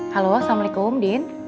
halo assalamualaikum din